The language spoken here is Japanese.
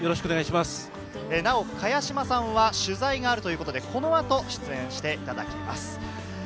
なお茅島さんは取材があるということで、この後、出演していただきます。